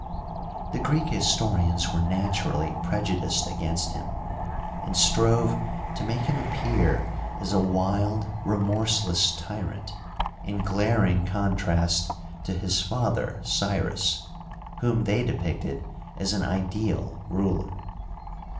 The Greek historians were naturally prejudiced against him, and strove to make him appear as a wild, remorseless tyrant, in glaring con trast to his father Cyrus, whom they depicted as an ideal ruler.